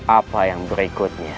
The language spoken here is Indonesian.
apa yang berikutnya